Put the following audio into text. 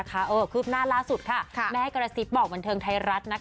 คืบหน้าล่าสุดแม่กระซิบบอกบันเทิงไทยรัฐ